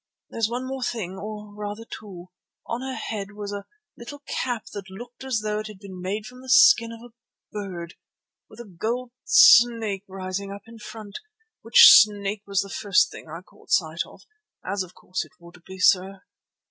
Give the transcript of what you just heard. There's one more thing, or rather two. On her head was a little cap that looked as though it had been made from the skin of a bird, with a gold snake rising up in front, which snake was the first thing I caught sight of, as of course it would be, sir.